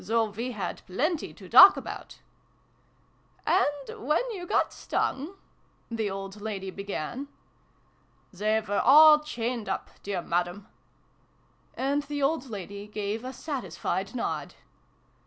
"so we had plenty to talk about !"" And when you got stung " the old lady began. " They were all chained up, dear Madam !" And the old lady gave a satisfied nod.